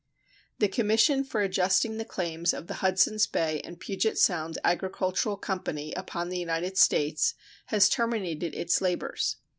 The commission for adjusting the claims of the "Hudsons Bay and Puget Sound Agricultural Company" upon the United States has terminated its labors.